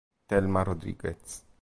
Thelma Rodríguez